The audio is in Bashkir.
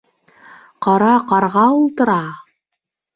Ҡара ҡарға ултыра!